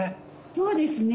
そうですね。